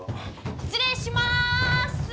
失礼しまーす！